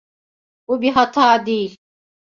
Bu bir hata değil.